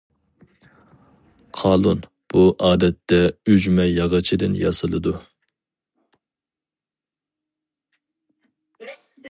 قالۇن بۇ ئادەتتە ئۈجمە ياغىچىدىن ياسىلىدۇ.